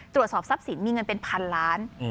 ตรวจสอบทรัพย์สินมีเงินเป็นพันล้าน